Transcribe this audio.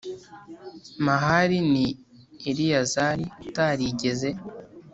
Mahali ni Eleyazari utarigeze